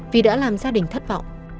vì đã làm gia đình thất vọng